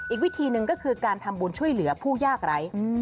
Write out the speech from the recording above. อีกวิธีหนึ่งก็คือการทำบุญช่วยเหลือผู้ยากไร้